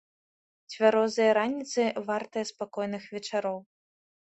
Цвярозыя раніцы вартыя спакойных вечароў.